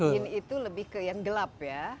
jin itu lebih ke yang gelap ya